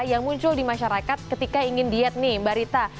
yang muncul di masyarakat ketika ingin diet nih mbak rita